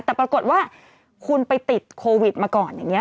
แต่ปรากฏว่าคุณไปติดโควิดมาก่อนอย่างนี้